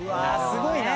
すごいな！